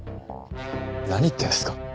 何言ってるんですか？